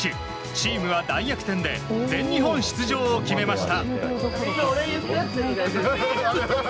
チームは大逆転で全日本出場を決めました。